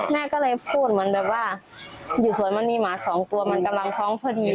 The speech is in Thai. แม่ก็เลยพูดเหมือนแบบว่าอยู่สวนมันมีหมาสองตัวมันกำลังท้องพอดี